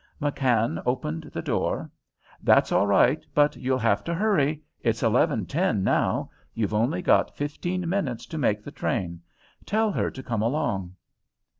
McKann opened the door. "That's all right, but you'll have to hurry. It's eleven ten now. You've only got fifteen minutes to make the train. Tell her to come along."